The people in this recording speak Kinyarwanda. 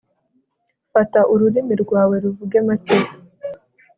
fata ururimi rwawe ruvuge make